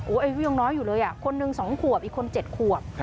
โอ้ยยังน้อยอยู่เลยคนนึงสองขวบอีกคนเจ็ดขวบ